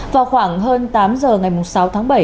vào khoảng hơn tám h ngày sáu tháng bảy